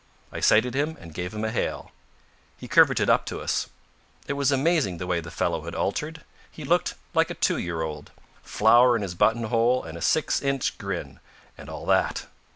I sighted him and gave him a hail. He curveted up to us. It was amazing the way the fellow had altered. He looked like a two year old. Flower in his button hole and a six inch grin, and all that.